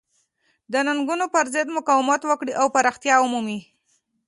د ننګونو پرضد مقاومت وکړي او پراختیا ومومي.